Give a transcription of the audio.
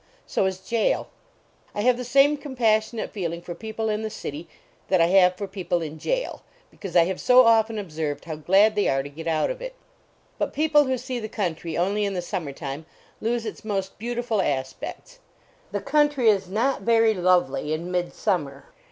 So is jail. I have the same com passionate feeling for people in the city that I have for people in jail, because I have so often observed how glad they are to get out of it. Hut people who see the country only in the summer time lose its most beautiful a. pects. The country is not very lovely in midsummer.